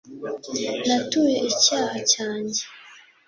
natuye icyaha cyanjye